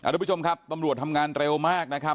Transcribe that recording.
ทุกผู้ชมครับตำรวจทำงานเร็วมากนะครับ